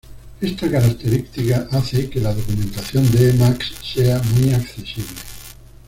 Esta característica hace que la documentación de Emacs sea muy accesible.